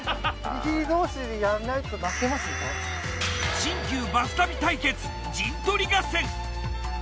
新旧バス旅対決陣取り合戦。